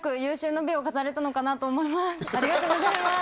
ありがとうございます。